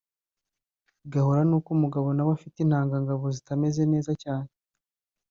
bigahura n’uko umugabo nawe afite intangangabo zitameze neza cyane